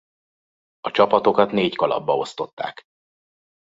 A csapatokat négy kalapba osztották.